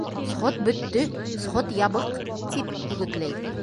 Сход бөттө, сход ябыҡ, — тип өгөтләй.